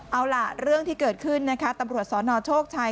เอาล่ะเรื่องที่เกิดขึ้นนะคะตำรวจสนโชคชัย